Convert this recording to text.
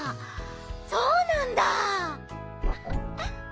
そうなんだ！